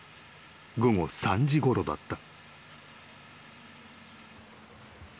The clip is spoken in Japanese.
午後３時ごろだった］